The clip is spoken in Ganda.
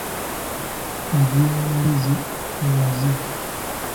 Ery'embizzi muwazi.